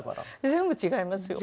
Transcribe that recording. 全部違いますよ。